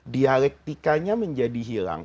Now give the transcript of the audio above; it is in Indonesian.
dialektikanya menjadi hilang